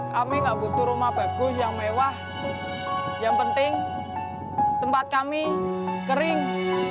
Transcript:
kami nggak butuh rumah bagus yang mewah yang penting tempat kami kering